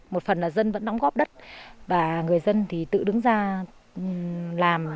một phần là dân vẫn đóng góp đất và người dân thì tự đứng ra làm